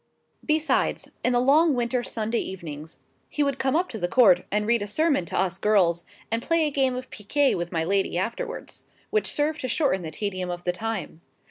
Besides, in the long winter Sunday evenings, he would come up to the Court, and read a sermon to us girls, and play a game of picquet with my lady afterwards; which served to shorten the tedium of the time.